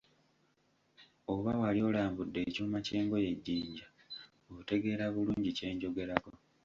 Oba wali olambudde ekyuma ky'engoye e Jjinja, otegeera bulungi kye njogerako.